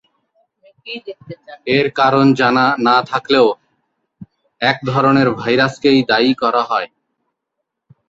এর কারণ জানা না থাকলেও এক ধরণের ভাইরাসকেই দায়ী করা হয়।